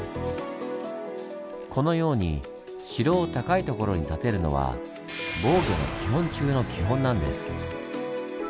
このように城を高いところに建てるのは防御の基本中の基本なんです。